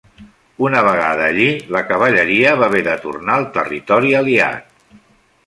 Una vegada allí, la cavalleria va haver de tornar al territori aliat.